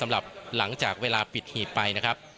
หลังจากเวลาปิดหีบไป